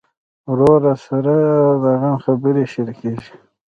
ورور سره د غم خبرې شريکېږي.